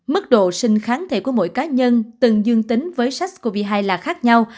mức độ sinh kháng thể của mỗi cá nhân từng dương tính với sars cov hai là khác nhau